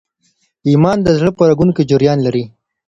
ایمان د زړه په رګونو کي جریان لري.